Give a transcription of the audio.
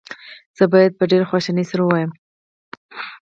زه باید په ډېرې خواشینۍ سره ووایم.